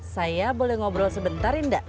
saya boleh ngobrol sebentar indah